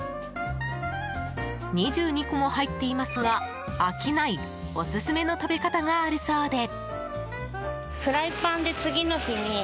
２２個も入っていますが飽きないオススメの食べ方があるそうで。